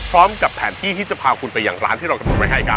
พร้อมกับแผนที่ที่จะพาคุณไปอย่างร้านที่เรากำหนดไว้ให้ครับ